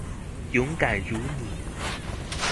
勇敢如妳